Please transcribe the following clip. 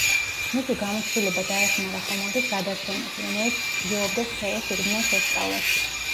მისი გამოცდილება დაეხმარა ხომალდის გადარჩენაში, რომელიც ცდილობდა სფეროს შიგნიდან შესწავლას.